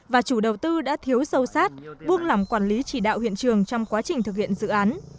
và chủ đầu tư đã thiếu sâu sát buông lỏng quản lý chỉ đạo hiện trường trong quá trình thực hiện dự án